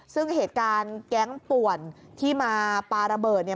ซึ่งเหตุการณ์แก๊งป่วนที่มาปลาระเบิดเนี่ย